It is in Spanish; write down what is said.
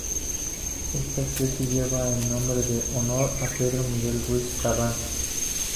Esta especie lleva el nombre en honor a Pedro Miguel Ruiz-Carranza.